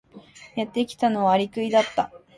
やってきたのはアリクイだった。